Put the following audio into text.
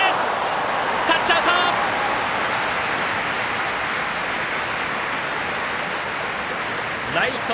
タッチアウト！